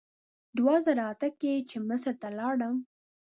دوه زره اته کې چې مصر ته لاړم.